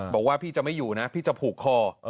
บอกว่าพี่จะไม่อยู่นะพี่จะผูกคอ